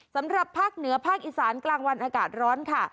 สำหรับภาคเหนือภาคอีสานกลางวันอากาศร้อนค่ะ